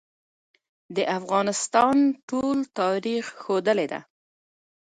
د افغانستان ټول تاریخ ښودلې ده.